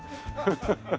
ハハハハ。